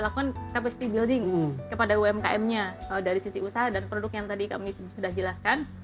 lakukan capacity building kepada umkm nya dari sisi usaha dan produk yang tadi kami sudah jelaskan